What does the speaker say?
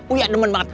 uyak demen banget